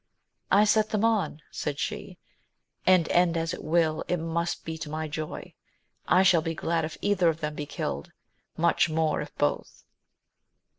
I set them on, said she, and end as it will, it must be to my joy : I shall be glad if either of them be killed, much more if both.